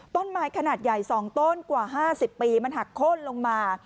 ต้นไม้ขนาดใหญ่๒ต้นกว่า๕๐ปีมันหักโค้นลงมา